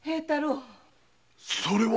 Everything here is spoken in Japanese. それは。